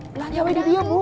belanja wedi diam bu